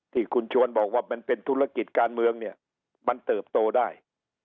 ที่คุณชวนบอกว่ามันเป็นธุรกิจการเมืองเนี่ยมันเติบโตได้